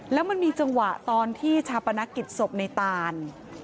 แล้วมันมีจังหวะตอนที่ชาปนกิจศพในตาน